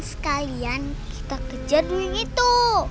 sekalian kita kejar dueng itu